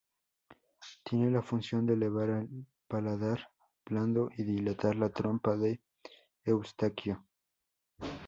Tiene la función de elevar el paladar blando y dilatar la trompa de Eustaquio.